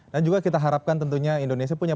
dan juga kita harapkan tentunya indonesia punya